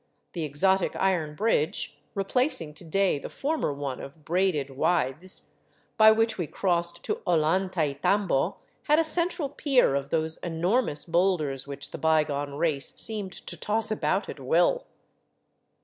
The exotic iron bridge, replacing to day the former one of braided withes, by which we crossed to Ollantaytambo had a central pier of those enormous boulders which the bygone race seemed to toss about at will.